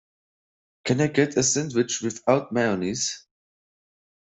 Can I get the sandwich without mayonnaise?